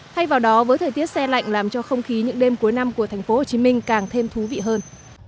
thay vào đó với thời tiết xe lạnh làm cho không khí những đêm cuối năm của thành phố hồ chí minh càng thêm thú vị hơn